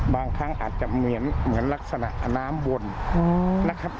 บางครั้งอาจจะเหมือนลักษณะน้ำวนนะครับ